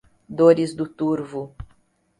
Dores do Turvo